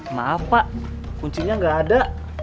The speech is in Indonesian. maaf pak kuncinya gak ada